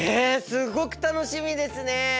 すごく楽しみですね！